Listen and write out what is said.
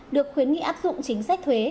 được khuyến nghị áp dụng chính sách thuế